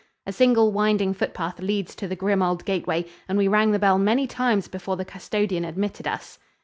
A single winding footpath leads to the grim old gateway, and we rang the bell many times before the custodian admitted us.